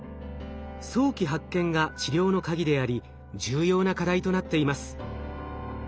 早期発見が治療の鍵であり重要な課題となっています。